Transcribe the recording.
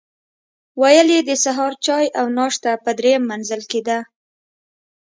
ویل یې د سهار چای او ناشته په درېیم منزل کې ده.